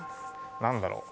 何だろう？